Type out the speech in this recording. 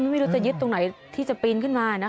ไม่รู้จะยึดตรงไหนที่จะปีนขึ้นมานะคะ